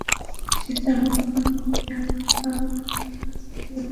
সে জন্মগ্রহণ করিয়া কাহার কাছে কী অপরাধ করিয়াছে?